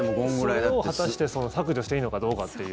それを果たして削除していいのかどうかっていう。